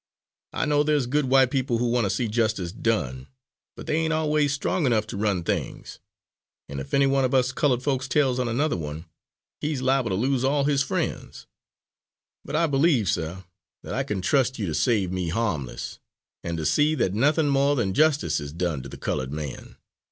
I know there's good white people who want to see justice done but they ain't always strong enough to run things; an' if any one of us coloured folks tells on another one, he's liable to lose all his frien's. But I believe, sir, that I can trust you to save me harmless, and to see that nothin' mo' than justice is done to the coloured man."